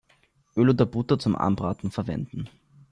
Öl oder Butter zum Anbraten verwenden.